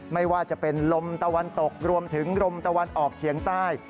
ไม่ว่าจะเป็นลมตะวันตกรวมถึงลมตะวันออกเฉียงใต้